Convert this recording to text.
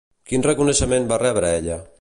Quin reconeixement va rebre ella?